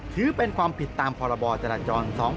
ถือเป็นความผิดตามพจ๒๕๒๒